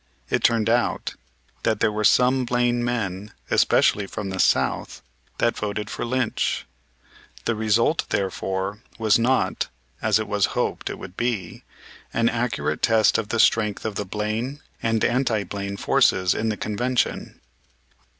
It turned out that there were some Blaine men, especially from the South, that voted for Lynch. The result, therefore, was not, as it was hoped it would be, an accurate test of the strength of the Blaine and anti Blaine forces in the Convention.